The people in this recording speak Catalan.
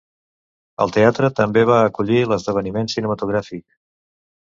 El teatre també va acollir l'esdeveniment cinematogràfic.